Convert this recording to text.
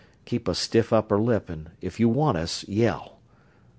Keep a stiff upper lip, and if you want us, yell.